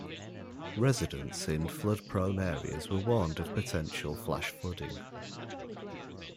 Residents in flood-prone areas were warned of potential flash flooding.